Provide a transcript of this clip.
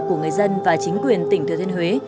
của người dân và chính quyền tỉnh thừa thiên huế